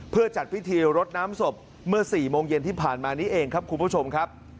เพื่อจัดพิธีรดน้ำศพเมื่อ๔โมงเย็นที่ผ่านมานี้เองครับคุณผู้ชมครับ